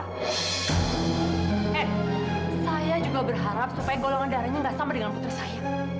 eh saya juga berharap supaya golongan darahnya nggak sama dengan putri saya